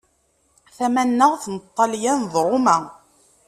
Tamaneɣt n Ṭṭalyan d Roma.